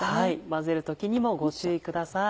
混ぜる時にもご注意ください。